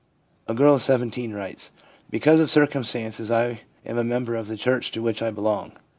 A girl of 17 writes: * Because of circumstances I am a member of the church to which I belong.